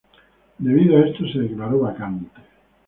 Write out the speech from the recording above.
Debido a esto, se declaró vacante.